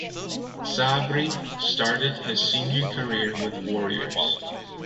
Sabri started his senior career with Warriors.